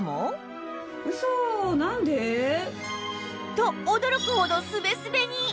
と驚くほどスベスベに！